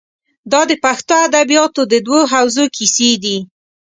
دا د پښتو ادبیاتو د دوو حوزو کیسې دي.